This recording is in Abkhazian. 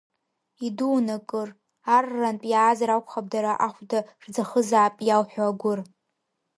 Идуун акыр, аррантә иаазар акәхап дара ахәда рӡахызаап иалҳәо агәыр…